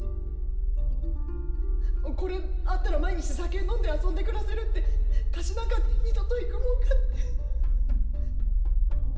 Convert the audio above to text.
『これあったら毎日酒飲んで遊んで暮らせる』って『河岸なんか二度と行くもんか』って」。